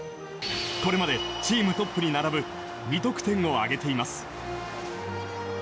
これまでチームトップに並ぶ２得点を挙げています。